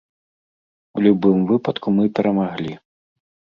У любым выпадку мы перамаглі!